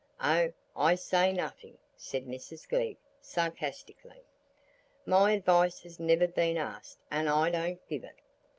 "Oh, I say nothing," said Mrs Glegg, sarcastically. "My advice has never been asked, and I don't give it."